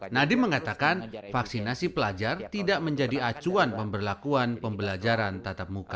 nadiem mengatakan vaksinasi pelajar tidak menjadi acuan pemberlakuan pembelajaran tatap muka